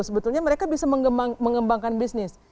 sebetulnya mereka bisa mengembangkan bisnis